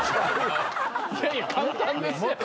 いやいや簡単ですやん。